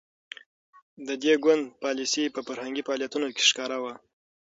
د دې ګوند پالیسي په فرهنګي فعالیتونو کې ښکاره وه.